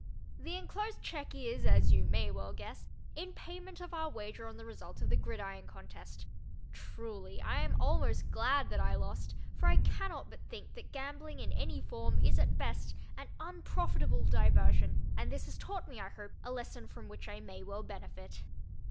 The enclosed check is, as you may well guess, in payment of our wager on the result of the gridiron contest. Truly, I am almost glad that I lost, for I can not but think that gambling in any form is at best an unprofitable diversion, and this has taught me, I hope, a lesson from which I may well benefit.